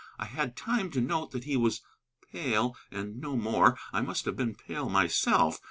I had time to note that he was pale, and no more: I must have been pale myself.